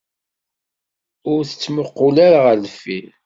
Ur tettmuqqul ara ɣer deffir.